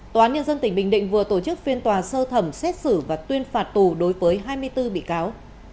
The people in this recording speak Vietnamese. tòa án nhân dân tỉnh bình định vừa tổ chức phiên tòa sơ thẩm xét xử và tuyên phạt tù đối với hai mươi bốn bị cáo